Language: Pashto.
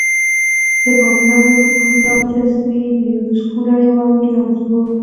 د بامیانو د بودا مجسمې د یونسکو نړیوال میراث وو